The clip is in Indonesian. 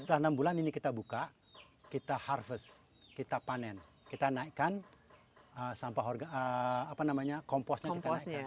setelah enam bulan ini kita buka kita harvest kita panen kita naikkan sampah komposnya kita naikkan